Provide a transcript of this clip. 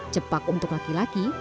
cepak untuk laki laki